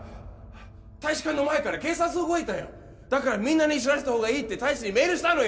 大使館の前から警察動いたよだからみんなに知らせたほうがいいって大使にメールしたのよ